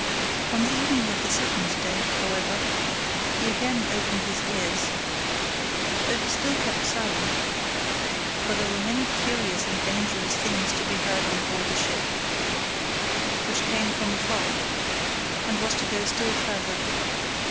On the evening of the second day, however, he again opened his ears, though he still kept silent: for there were many curious and dangerous things to be heard on board the ship, which came from afar, and was to go still further.